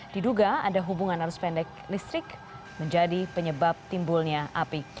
diduga ada hubungan arus pendek listrik menjadi penyebab timbulnya api